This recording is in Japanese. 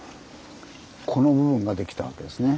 この部分が出来たわけですね。